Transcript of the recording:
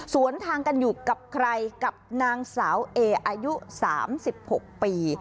สวนทางกันอยู่กับใครกับนางสาวเออายุ๓๖ปี